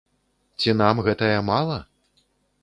Ці нам гэтае мала?